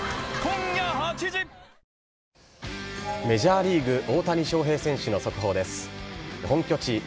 メジャーリーグ、